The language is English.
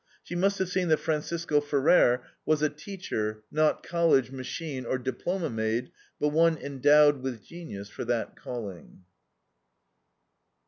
She must have seen that Francisco Ferrer was a teacher, not college, machine, or diploma made, but one endowed with genius for that calling.